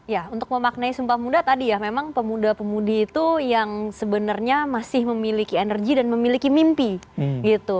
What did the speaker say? ya untuk memaknai sumpah pemuda tadi ya memang pemuda pemudi itu yang sebenarnya masih memiliki energi dan memiliki mimpi gitu